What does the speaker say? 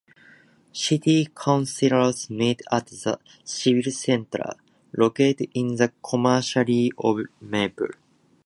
City councillors meet at the "Civic Centre", located in the community of Maple.